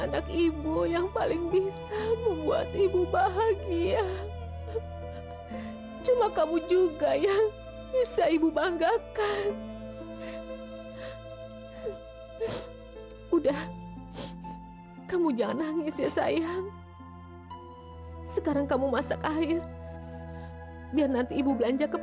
sampai jumpa di video selanjutnya